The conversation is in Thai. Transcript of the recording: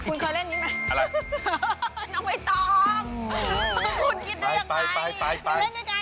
คุณเคยเล่นอย่างนี้มั้ยน้องมัยตอบคุณคิดได้อย่างไรดูเล่นกัน